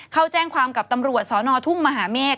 เขาแจ้งความกับตำรวจสนทุ่งมหาเมฆ